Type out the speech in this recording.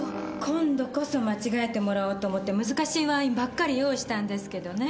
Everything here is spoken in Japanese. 今度こそ間違えてもらおうと思って難しいワインばっかり用意したんですけどね。